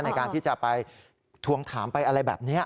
ในการที่จะไปทวงถามไปอะไรแบบนี้